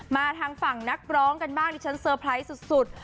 มาทางฝั่งนักร้องกันบ้างดิฉันเตอร์ไพรส์สุด